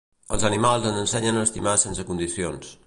Els animals ens ensenyen a estimar sense condicions.